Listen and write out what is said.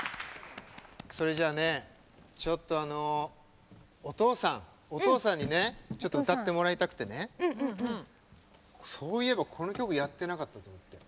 それでは、ちょっとお父さんにね歌ってもらいたくてそういえばこの曲やってなかったと思って。